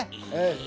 ええ！？